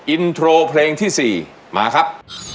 อินโทรเพลงที่๔มาครับ